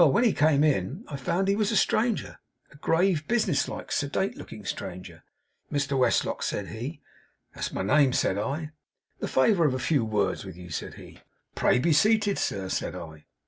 When he came in, I found he was a stranger; a grave, business like, sedate looking, stranger. "Mr Westlock?" said he. "That is my name," said I. "The favour of a few words with you?" said he. "Pray be seated, sir," said I.